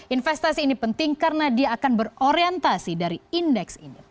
investasi ini penting karena dia akan berorientasi dari indeks ini